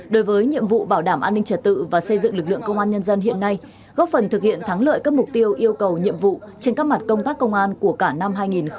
đối với nhiệm vụ bảo đảm an ninh trật tự và xây dựng lực lượng công an nhân dân hiện nay góp phần thực hiện thắng lợi các mục tiêu yêu cầu nhiệm vụ trên các mặt công tác công an của cả năm hai nghìn hai mươi ba